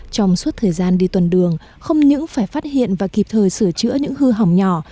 trong suốt thời gian đi tuần đường không những phải phát hiện và kịp thời sửa chữa những hư hỏng nhỏ